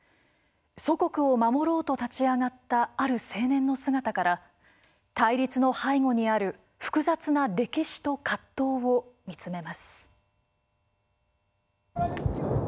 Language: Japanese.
祖国を守ろうと立ち上がったある青年の姿から対立の背後にある複雑な歴史と葛藤を見つめます。